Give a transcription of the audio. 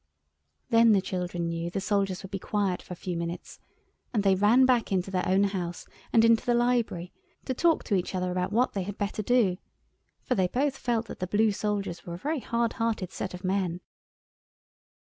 Then the children knew the soldiers would be quiet for a few minutes, and they ran back into their own house and into the library to talk to each other about what they had better do, for they both felt that the blue soldiers were a very hard hearted set of men.